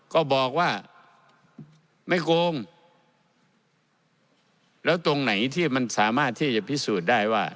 ก็บอกว่าไม่โกงแล้วตรงไหนที่มันสามารถที่จะพิสูจน์ได้ว่า